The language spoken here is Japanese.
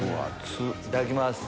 いただきます。